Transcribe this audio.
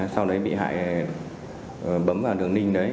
sau đấy bị hại bấm vào đường link đấy